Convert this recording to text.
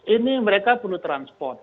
ini mereka perlu transport